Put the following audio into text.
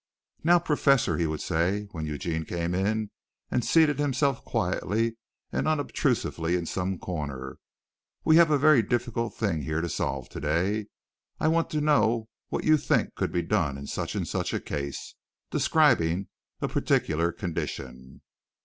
"Now, professor," he would say when Eugene came in and seated himself quietly and unobtrusively in some corner, "we have a very difficult thing here to solve today. I want to know what you think could be done in such and such a case," describing a particular condition.